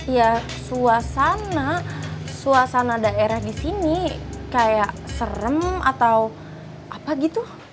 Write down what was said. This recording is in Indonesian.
ya suasana suasana daerah di sini kayak serem atau apa gitu